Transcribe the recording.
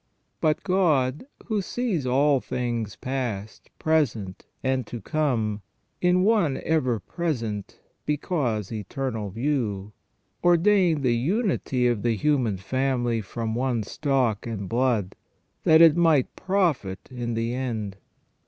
But God, who sees all things past, present, and to come in one ever present because eternal view, ordained the unity of the human family from one stock and blood, that it might profit in the end.